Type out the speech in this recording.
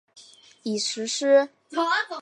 已实施。